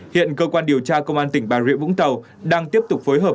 hiện cơ quan điều tra công an tỉnh bà rịa vũng tàu đang tiếp tục phối hợp